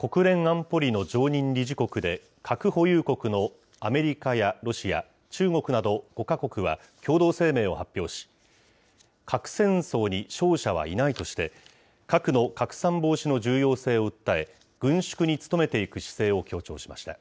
国連安保理の常任理事国で核保有国のアメリカやロシア、中国など５か国は共同声明を発表し、核戦争に勝者はいないとして、核の拡散防止の重要性を訴え、軍縮に努めていく姿勢を強調しました。